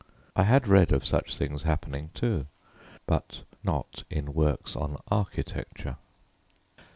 I had read of such things happening, too, but not in works on architecture.